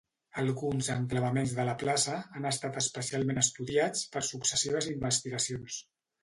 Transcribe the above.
Alguns enclavaments de la plaça han estat especialment estudiats per successives investigacions.